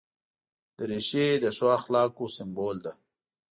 دریشي د ښو اخلاقو سمبول ده.